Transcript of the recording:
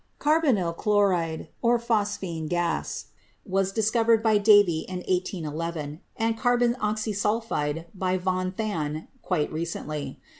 Carbonyl chloride, or "phosgene gas," was discovered by Davy in 181 1, and carbon oxysulphide by von Than quite recently.